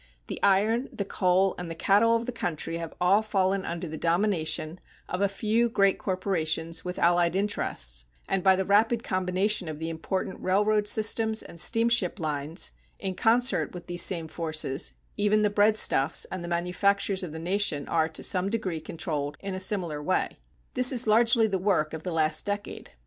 The iron, the coal, and the cattle of the country have all fallen under the domination of a few great corporations with allied interests, and by the rapid combination of the important railroad systems and steamship lines, in concert with these same forces, even the breadstuffs and the manufactures of the nation are to some degree controlled in a similar way. This is largely the work of the last decade.